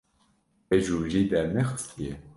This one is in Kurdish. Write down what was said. Te jûjî dernexistiye?